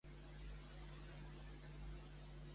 Això ha agradat a Trump?